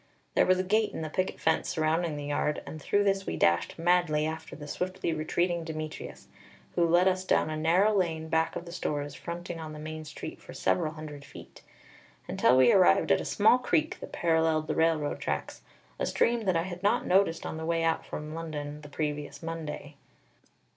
There was a gate in the picket fence surrounding the yard, and through this we dashed madly after the swiftly retreating Demetrius, who led us down a narrow lane back of the stores fronting on the main street for several hundred feet, until we arrived at a small creek that paralleled the railroad tracks, a stream that I had not noticed on the way out from London the previous Monday.